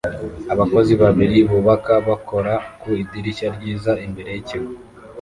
Abakozi babiri bubaka bakora ku idirishya ryiza imbere yikigo